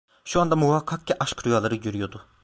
Şu anda muhakkak ki aşk rüyaları görüyordu.